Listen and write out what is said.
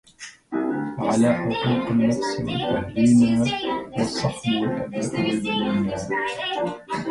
على حقوق النفس والأهلِينا والصحب والآباء والبنِينا